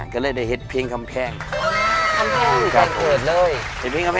กัวแล้วได้เผ็ดเพลงขำเพชครับ